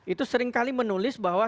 itu seringkali menulis bahwa